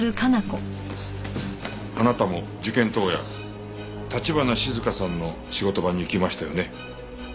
あなたも事件当夜橘静香さんの仕事場に行きましたよね？